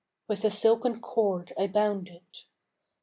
With a silken cord I bound it.